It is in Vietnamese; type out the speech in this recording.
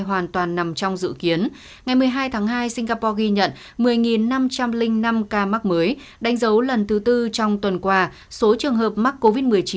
hoàn toàn nằm trong dự kiến ngày một mươi hai tháng hai singapore ghi nhận một mươi năm trăm linh năm ca mắc mới đánh dấu lần thứ tư trong tuần qua số trường hợp mắc covid một mươi chín